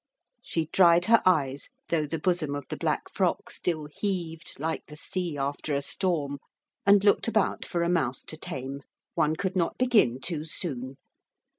She dried her eyes, though the bosom of the black frock still heaved like the sea after a storm, and looked about for a mouse to tame. One could not begin too soon.